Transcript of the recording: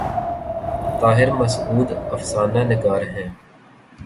طاہر مسعود افسانہ نگار ہیں۔